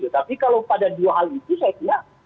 tapi kalau pada dua hal itu saya kira